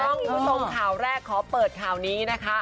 กล้องคุณสมข่าวแรกขอเปิดข่าวนี้นะครับ